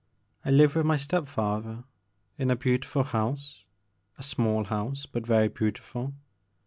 I live with my step father in a beautiftil house, — a small house, but very beauti ful.